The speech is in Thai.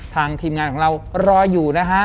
ทีมงานของเรารออยู่นะฮะ